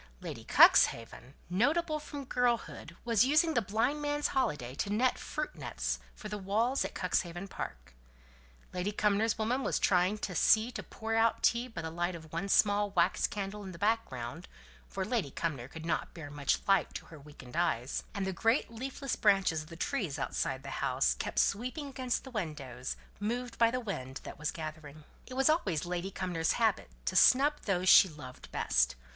Lady Cuxhaven, notable from girlhood, was using the blind man's holiday to net fruit nets for the walls at Cuxhaven Park. Lady Cumnor's woman was trying to see to pour out tea by the light of one small wax candle in the background (for Lady Cumnor could not bear much light to her weakened eyes); and the great leafless branches of the trees outside the house kept sweeping against the windows, moved by the wind that was gathering. It was always Lady Cumnor's habit to snub those she loved best.